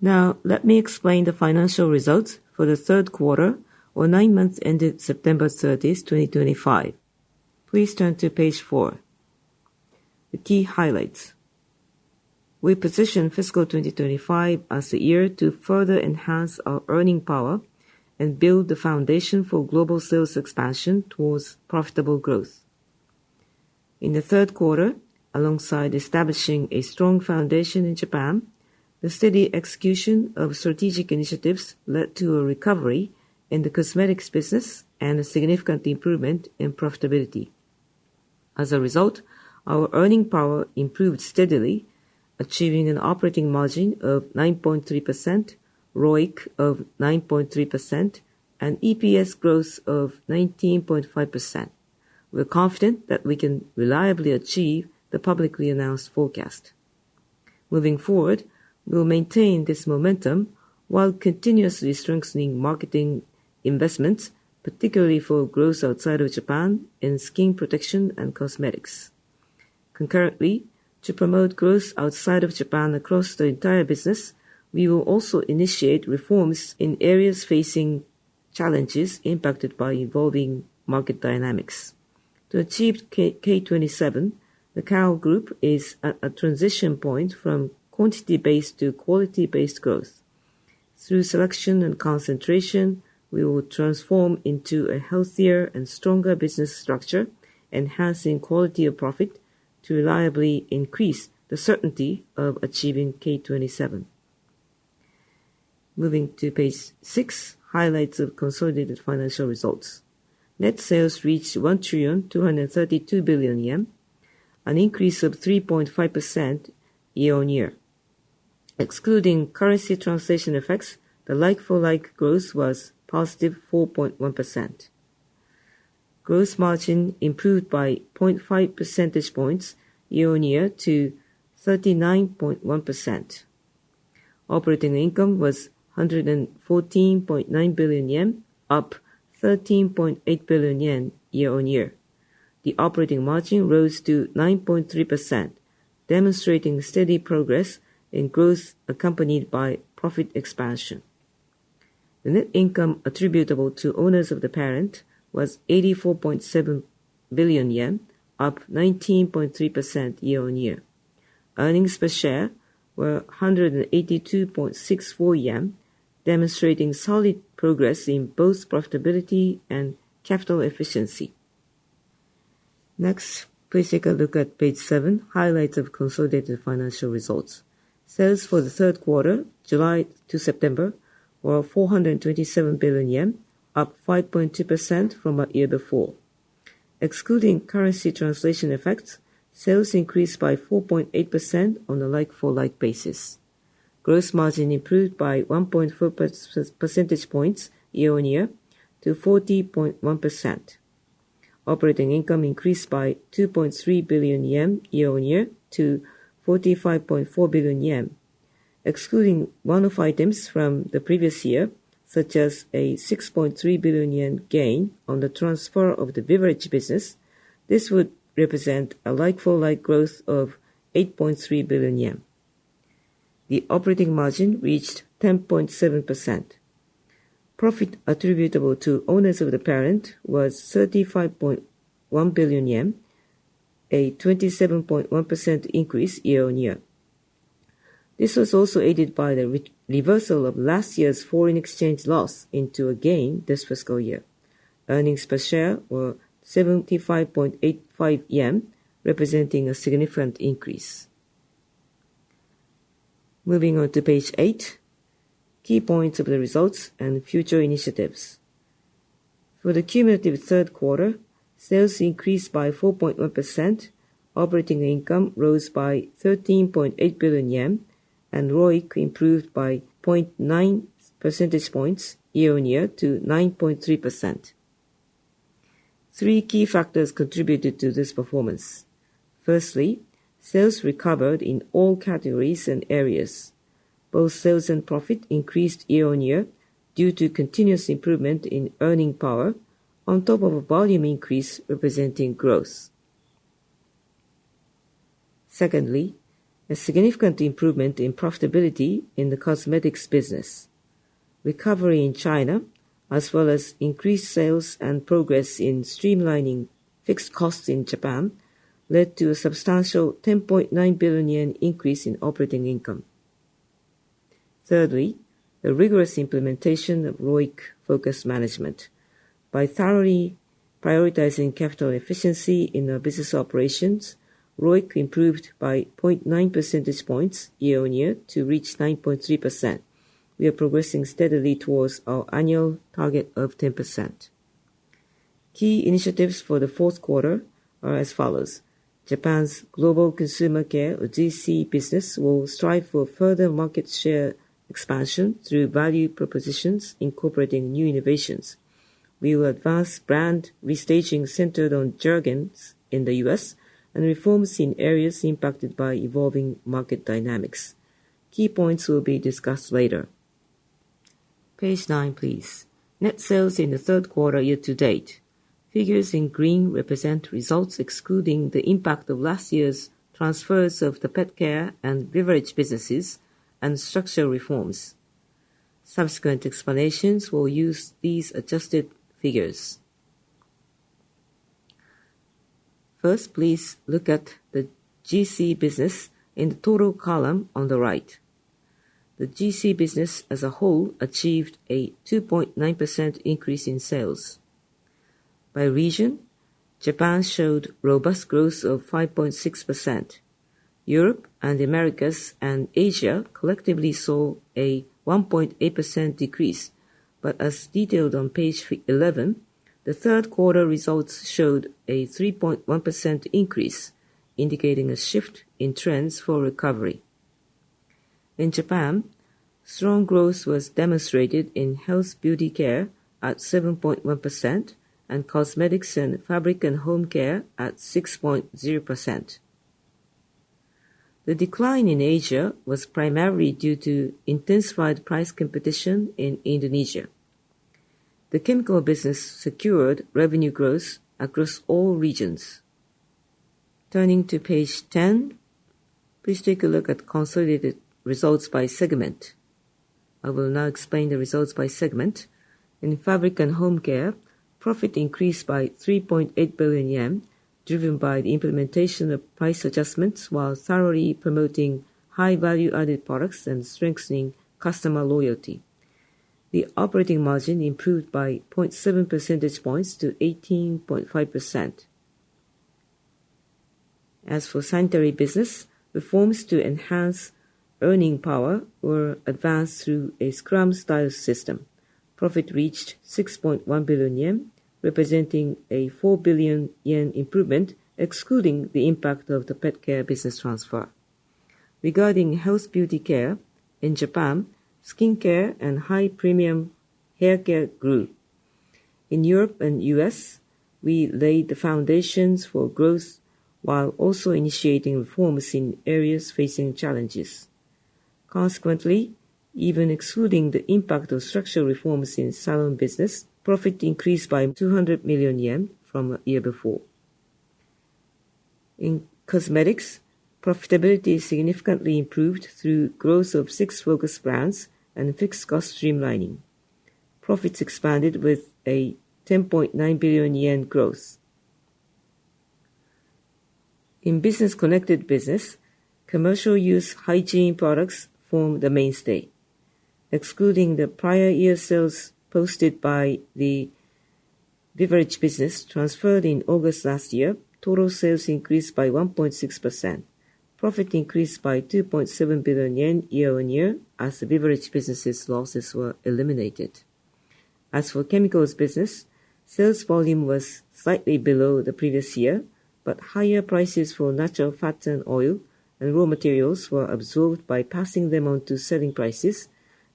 Now, let me explain the financial results for the third quarter, or nine months ended September 30, 2025. Please turn to page 4. The key highlights: We position fiscal 2025 as the year to further enhance our earning power and build the foundation for global sales expansion towards profitable growth. In the third quarter, alongside establishing a strong foundation in Japan, the steady execution of strategic initiatives led to a recovery in the Cosmetics Business and a significant improvement in profitability. As a result, our earning power improved steadily, achieving an operating margin of 9.3%, ROIC of 9.3%, and EPS growth of 19.5%. We're confident that we can reliably achieve the publicly-announced forecast. Moving forward, we'll maintain this momentum while continuously strengthening marketing investments, particularly for growth outside of Japan in skin protection and cosmetics. Concurrently, to promote growth outside of Japan across the entire business, we will also initiate reforms in areas facing challenges impacted by evolving market dynamics. To achieve K27, the Kao Group is at a transition point from quantity-based to quality-based growth. Through selection and concentration, we will transform into a healthier and stronger business structure, enhancing quality of profit to reliably increase the certainty of achieving K27. Moving to page 6, highlights of consolidated financial results. Net sales reached 1,232,000,000,000 yen, an increase of 3.5% year-on-year. Excluding currency translation effects, the like-for-like growth was positive 4.1%. Gross margin improved by 0.5 percentage points year-on-year to 39.1%. Operating income was 114.9 billion yen, up 13.8 billion yen year-on-year. The operating margin rose to 9.3%, demonstrating steady progress in growth accompanied by profit expansion. The net income attributable to owners of the parent was 84.7 billion yen, up 19.3% year-on-year. Earnings per share were 182.64 yen, demonstrating solid progress in both profitability and capital efficiency. Next, please take a look at page 7, highlights of consolidated financial results. Sales for the third quarter, July to September, were 427 billion yen, up 5.2% from the year before. Excluding currency translation effects, sales increased by 4.8% on a like-for-like basis. Gross margin improved by 1.4 percentage points year-on-year to 40.1%. Operating income increased by 2.3 billion yen year-on-year to 45.4 billion yen. Excluding one-off items from the previous year, such as a 6.3 billion yen gain on the transfer of the Beverage Business, this would represent a like-for-like growth of 8.3 billion yen. The operating margin reached 10.7%. Profit attributable to owners of the parent was 35.1 billion yen, a 27.1% increase year-on-year. This was also aided by the reversal of last year's foreign exchange loss into a gain this fiscal year. Earnings per share were 75.85 yen, representing a significant increase. Moving on to page 8, key points of the results and future initiatives. For the cumulative third quarter, sales increased by 4.1%, operating income rose by 13.8 billion yen, and ROIC improved by 0.9 percentage points year-on-year to 9.3%. Three key factors contributed to this performance. Firstly, sales recovered in all categories and areas. Both sales and profit increased year-on-year due to continuous improvement in earning power, on top of a volume increase representing growth. Secondly, a significant improvement in profitability in the Cosmetics Business. Recovery in China, as well as increased sales and progress in streamlining fixed costs in Japan, led to a substantial 10.9 billion yen increase in operating income. Thirdly, the rigorous implementation of ROIC-focused management. By thoroughly prioritizing capital efficiency in our business operations, ROIC improved by 0.9 percentage points year-on-year to reach 9.3%. We are progressing steadily towards our annual target of 10%. Key initiatives for the fourth quarter are as follows. Japan's Global Consumer Care, or GC, business will strive for further market share expansion through value propositions, incorporating new innovations. We will advance brand restaging centered on Jergens in the U.S. and reforms in areas impacted by evolving market dynamics. Key points will be discussed later. Page 9, please. Net sales in the third quarter year-to-date. Figures in green represent results excluding the impact of last year's transfers of the Pet Care and Beverage Businesses and structural reforms. Subsequent explanations will use these adjusted figures. First, please look at the GC Business in the total column on the right. The GC Business as a whole achieved a 2.9% increase in sales. By region, Japan showed robust growth of 5.6%. Europe and the Americas and Asia collectively saw a 1.8% decrease, but as detailed on page 11, the third quarter results showed a 3.1% increase, indicating a shift in trends for recovery. In Japan, strong growth was demonstrated in Health and Beauty Care at 7.1% and Cosmetics and Fabric and Home Care at 6.0%. The decline in Asia was primarily due to intensified price competition in Indonesia. The Chemical Business secured revenue growth across all regions. Turning to page 10, please take a look at consolidated results by segment. I will now explain the results by segment. In Fabric and Home Care, profit increased by 3.8 billion yen, driven by the implementation of price adjustments while thoroughly promoting high-value-added products and strengthening customer loyalty. The operating margin improved by 0.7 percentage points to 18.5%. As for Sanitary Business, reforms to enhance earning power were advanced through a Scrum-style system. Profit reached 6.1 billion yen, representing a 4 billion yen improvement, excluding the impact of the Pet Care Business transfer. Regarding Health and Beauty Care, in Japan, skin care and high-premium hair care grew. In Europe and the U.S., we laid the foundations for growth while also initiating reforms in areas facing challenges. Consequently, even excluding the impact of structural reforms in salon business, profit increased by 200 million yen from the year before. In cosmetics, profitability significantly improved through growth of six focus brands and fixed cost streamlining. Profits expanded with a 10.9 billion yen growth. In Business-connected Business, commercial use hygiene products form the mainstay. Excluding the prior year sales posted by the Beverage Business, transferred in August last year, total sales increased by 1.6%. Profit increased by 2.7 billion yen year-on-year as the Beverage Business's losses were eliminated. As for Chemical Business, sales volume was slightly below the previous year, but higher prices for natural fat and oil and raw materials were absorbed by passing them on to selling prices,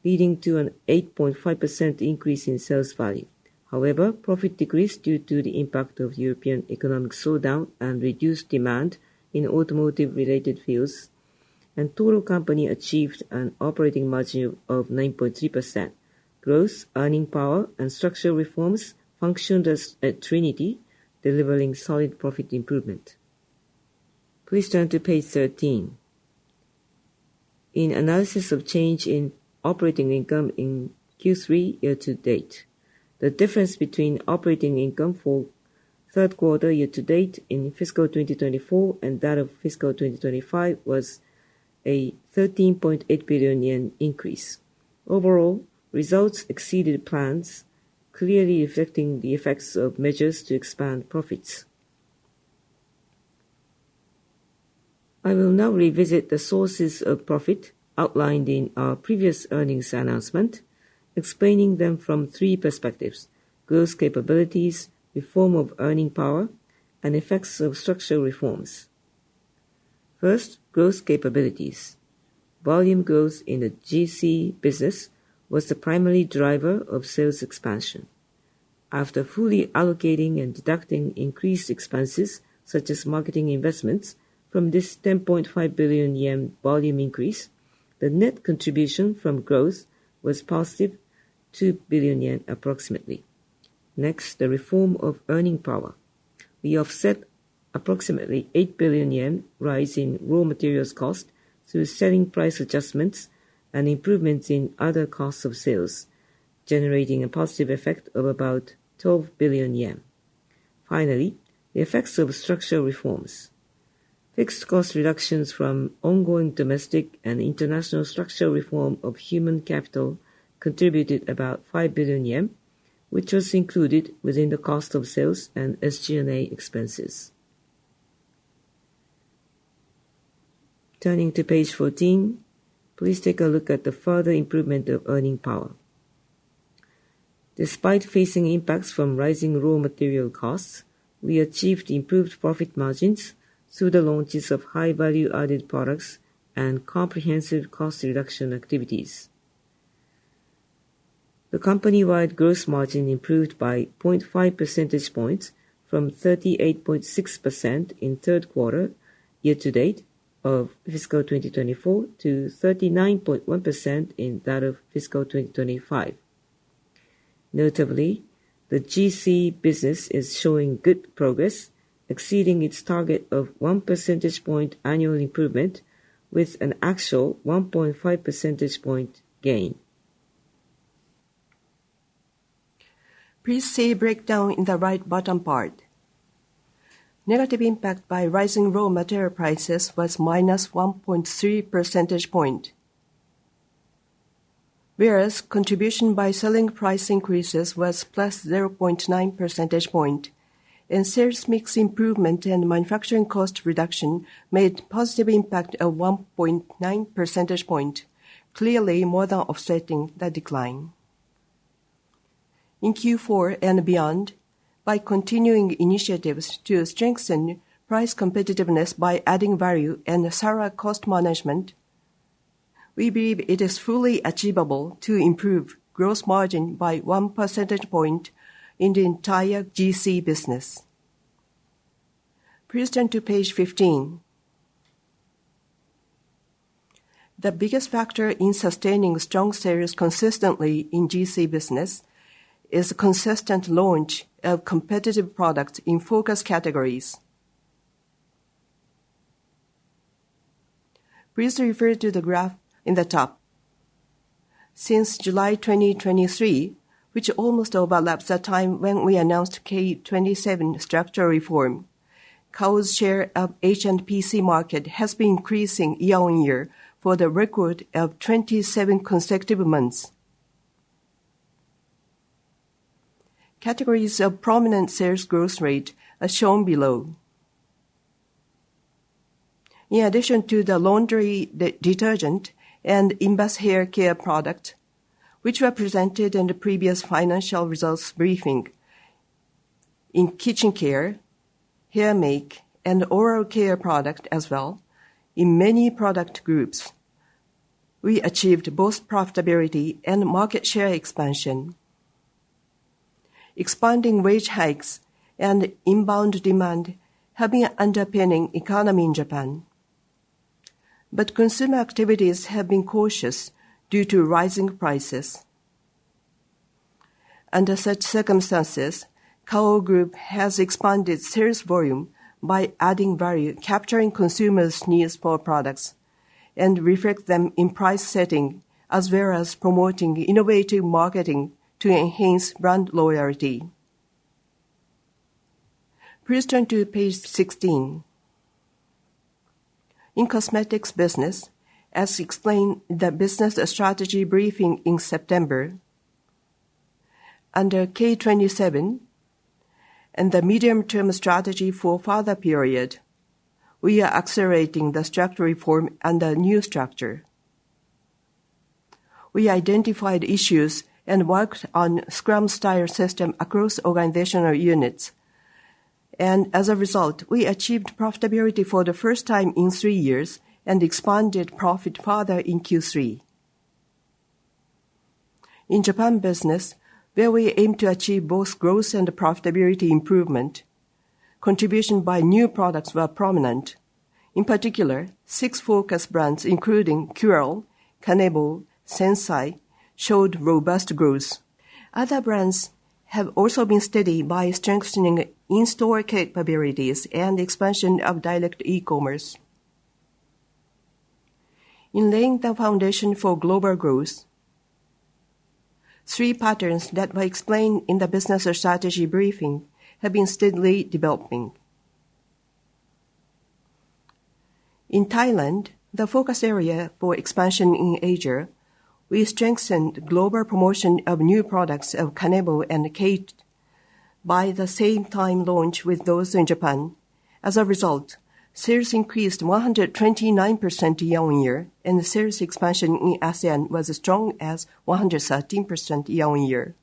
leading to an 8.5% increase in sales value. However, profit decreased due to the impact of European economic slowdown and reduced demand in automotive-related fields, and total company achieved an operating margin of 9.3%. Growth, earning power, and structural reforms functioned as a trinity, delivering solid profit improvement. Please turn to page 13. In analysis of change in operating income in Q3 year-to-date, the difference between operating income for third quarter year-to-date in fiscal 2024 and that of fiscal 2025 was a 13.8 billion yen increase. Overall, results exceeded plans, clearly reflecting the effects of measures to expand profits. I will now revisit the sources of profit outlined in our previous earnings announcement, explaining them from three perspectives: growth capabilities, reform of earning power, and effects of structural reforms. First, growth capabilities. Volume growth in the GC Business was the primary driver of sales expansion. After fully allocating and deducting increased expenses, such as marketing investments, from this 10.5 billion yen volume increase, the net contribution from growth was positive 2 billion yen approximately. Next, the reform of earning power. We offset approximately 8 billion yen rise in raw materials cost through selling price adjustments and improvements in other costs of sales, generating a positive effect of about 12 billion yen. Finally, the effects of structural reforms. Fixed cost reductions from ongoing domestic and international structural reform of human capital contributed about 5 billion yen, which was included within the cost of sales and SG&A expenses. Turning to page 14, please take a look at the further improvement of earning power. Despite facing impacts from rising raw material costs, we achieved improved profit margins through the launches of high-value-added products and comprehensive cost reduction activities. The company-wide gross margin improved by 0.5 percentage points from 38.6% in third quarter year-to-date of fiscal 2024 to 39.1% in that of fiscal 2025. Notably, the GC Business is showing good progress, exceeding its target of 1 percentage point annual improvement, with an actual 1.5 percentage point gain. Please see breakdown in the right bottom part. Negative impact by rising raw material prices was -1.3 percentage point. Whereas contribution by selling price increases was +0.9 percentage point. In sales mix improvement and manufacturing cost reduction made positive impact of 1.9 percentage point, clearly more than offsetting the decline. In Q4 and beyond, by continuing initiatives to strengthen price competitiveness by adding value and thorough cost management, we believe it is fully achievable to improve gross margin by one percentage point in the entire GC Business. Please turn to page 15. The biggest factor in sustaining strong sales consistently in GC Business is a consistent launch of competitive products in focus categories. Please refer to the graph in the top. Since July 2023, which almost overlaps the time when we announced K27 structural reform, Kao's share of H&PC market has been increasing year-on-year for the record of 27 consecutive months. Categories of prominent sales growth rate are shown below. In addition to the laundry detergent and in-bath hair care product, which were presented in the previous financial results briefing, in kitchen care, hair mask, and oral care product as well, in many product groups, we achieved both profitability and market share expansion. Expanding wage hikes and inbound demand have been underpinning the economy in Japan, but consumer activities have been cautious due to rising prices. Under such circumstances, Kao Group has expanded sales volume by adding value, capturing consumers' needs for products, and reflecting them in price setting, as well as promoting innovative marketing to enhance brand loyalty. Please turn to page 16. In Cosmetics Business, as explained in the business strategy briefing in September, under K27 and the medium-term strategy for further period, we are accelerating the structural reform and the new structure. We identified issues and worked on a Scrum-style system across organizational units, and as a result, we achieved profitability for the first time in three years and expanded profit further in Q3. In Japan business, where we aim to achieve both growth and profitability improvement, contribution by new products were prominent. In particular, six focus brands, including Curél, KANEBO, SENSAI, showed robust growth. Other brands have also been steady by strengthening in-store capabilities and expansion of direct e-commerce. In laying the foundation for global growth, three patterns that were explained in the business strategy briefing have been steadily developing. In Thailand, the focus area for expansion in Asia, we strengthened global promotion of new products of KANEBO and KATE by the same time launch with those in Japan. As a result, sales increased 129% year-on-year, and sales expansion in ASEAN was as strong as 113% year-on-year.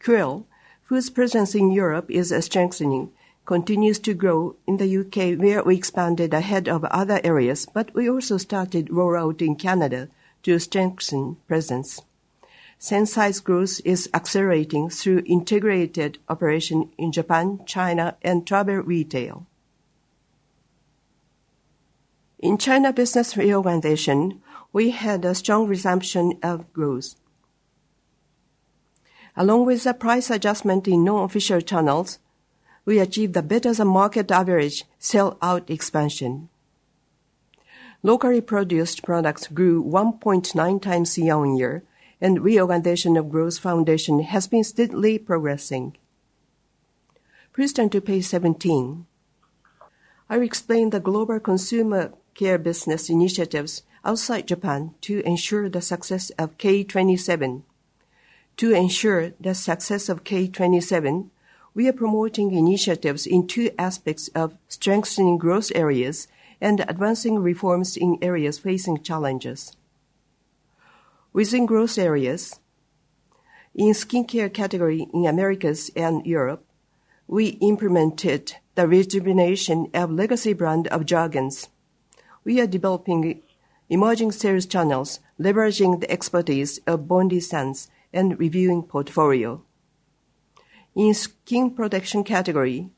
Curél, whose presence in Europe is strengthening, continues to grow in the U.K., where we expanded ahead of other areas, but we also started rollout in Canada to strengthen presence. SENSAI's growth is accelerating through integrated operation in Japan, China, and travel retail. In China business reorganization, we had a strong resumption of growth. Along with the price adjustment in non-official channels, we achieved the better-than-market average sell-out expansion. Locally produced products grew 1.9 times year-on-year, and reorganization of growth foundation has been steadily progressing. Please turn to page 17. I will explain the global consumer care business initiatives outside Japan to ensure the success of K27. To ensure the success of K27, we are promoting initiatives in two aspects of strengthening growth areas and advancing reforms in areas facing challenges. Within growth areas, in skincare category in Americas and Europe, we implemented the rejuvenation of legacy brand of Jergens. We are developing emerging sales channels leveraging the expertise of Bondi Sands and reviewing portfolio. In skin protection category,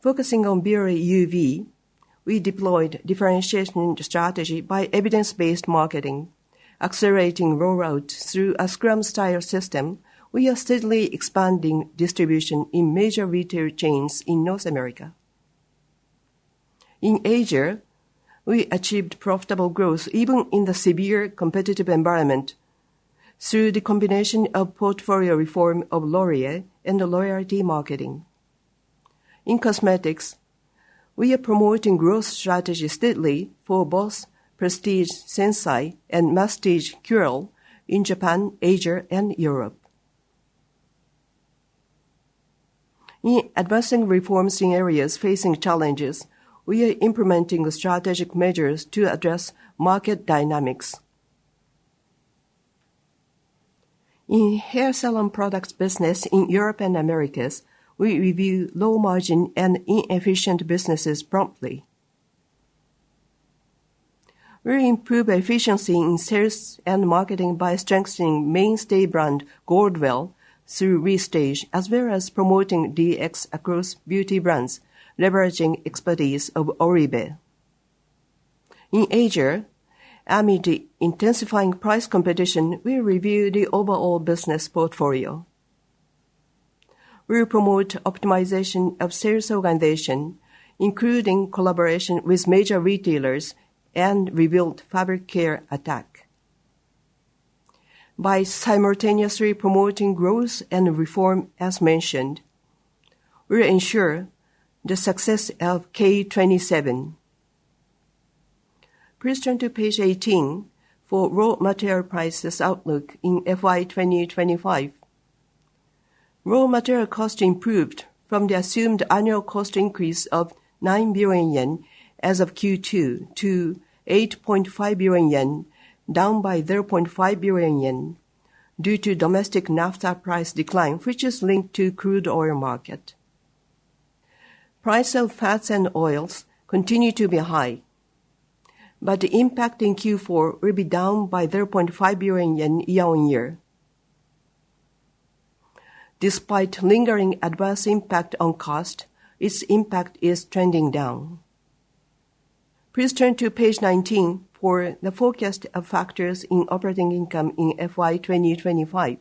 focusing on Bioré UV, we deployed differentiation strategy by evidence-based marketing, accelerating rollout through a Scrum-style system. We are steadily expanding distribution in major retail chains in North America. In Asia, we achieved profitable growth even in the severe competitive environment through the combination of portfolio reform of Laurier and the loyalty marketing. In cosmetics, we are promoting growth strategy steadily for both prestige, SENSAI, and masstige, Curél in Japan, Asia, and Europe. In advancing reforms in areas facing challenges, we are implementing strategic measures to address market dynamics. In hair salon products business in Europe and Americas, we review low margin and inefficient businesses promptly. We improve efficiency in sales and marketing by strengthening mainstay brand GOLDWELL through restage, as well as promoting DX across beauty brands, leveraging expertise of ORIBE. In Asia, amid the intensifying price competition, we review the overall business portfolio. We promote optimization of sales organization, including collaboration with major retailers and rebuilt fabric care Attack. By simultaneously promoting growth and reform as mentioned, we ensure the success of K27. Please turn to page 18 for raw material prices outlook in FY 2025. Raw material cost improved from the assumed annual cost increase of 9 billion yen as of Q2 to 8.5 billion yen, down by 0.5 billion yen due to domestic naphtha price decline, which is linked to crude oil market. Price of fats and oils continue to be high, but the impact in Q4 will be down by 0.5 billion yen year-on-year. Despite lingering adverse impact on cost, its impact is trending down. Please turn to page 19 for the forecast of factors in operating income in FY 2025.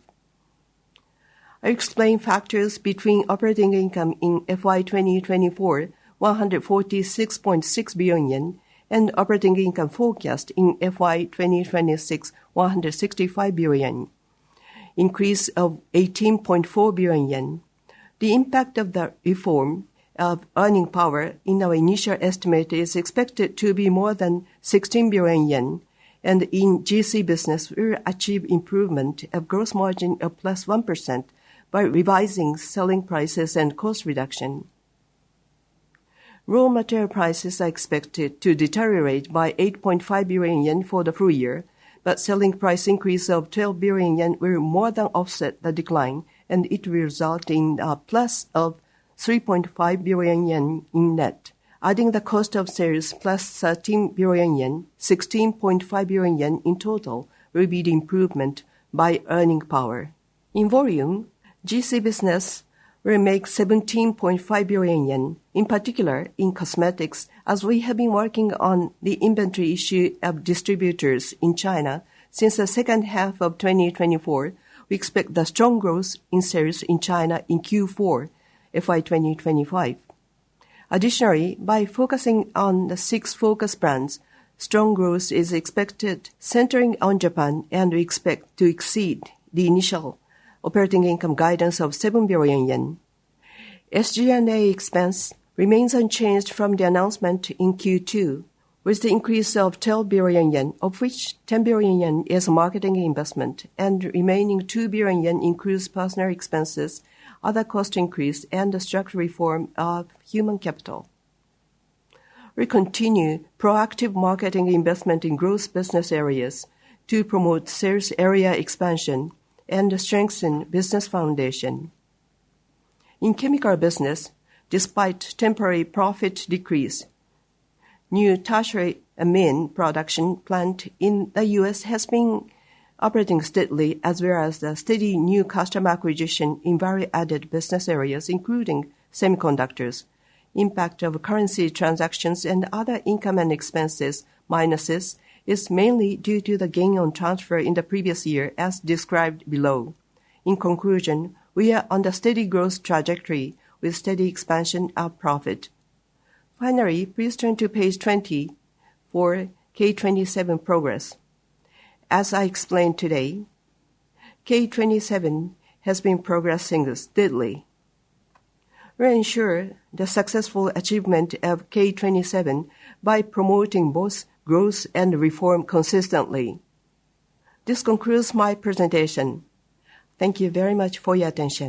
I explain factors between operating income in FY 2024, 146.6 billion yen, and operating income forecast in FY 2026, 165 billion yen. Increase of 18.4 billion yen. The impact of the reform of earning power in our initial estimate is expected to be more than 16 billion yen, and in GC Business, we will achieve improvement of gross margin of +1% by revising selling prices and cost reduction. Raw material prices are expected to deteriorate by 8.5 billion yen for the full year, but selling price increase of 12 billion yen will more than offset the decline, and it will result in +3.5 billion yen in net. Adding the cost of sales +13 billion yen, 16.5 billion yen in total will be the improvement by earning power. In volume, GC Business will make 17.5 billion yen, in particular in cosmetics, as we have been working on the inventory issue of distributors in China since the second half of 2024. We expect the strong growth in sales in China in Q4 FY 2025. Additionally, by focusing on the six focus brands, strong growth is expected centering on Japan, and we expect to exceed the initial operating income guidance of 7 billion yen. SG&A expense remains unchanged from the announcement in Q2, with the increase of 12 billion yen, of which 10 billion yen is a marketing investment, and remaining 2 billion yen includes personal expenses, other cost increase, and the structural reform of human capital. We continue proactive marketing investment in growth business areas to promote sales area expansion and strengthen business foundation. In Chemical Business, despite temporary profit decrease, new tertiary amine production plant in the U.S. has been operating steadily, as well as the steady new customer acquisition in value-added business areas, including semiconductors. Impact of currency transactions and other income and expenses minuses is mainly due to the gain on transfer in the previous year, as described below. In conclusion, we are on the steady growth trajectory with steady expansion of profit. Finally, please turn to page 20 for K27 progress. As I explained today, K27 has been progressing steadily. We ensure the successful achievement of K27 by promoting both growth and reform consistently. This concludes my presentation. Thank you very much for your attention.